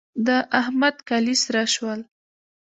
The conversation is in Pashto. د احمد کالي سره شول.